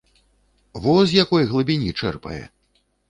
Во з якой глыбіні чэрпае!